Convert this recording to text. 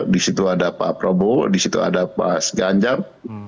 di situ ada pak prabowo di situ ada mas ganjar